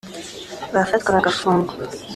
bafatwa bagafungwa